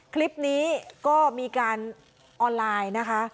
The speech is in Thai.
คลิปนี้ก็มีการออนไลน์นะคะ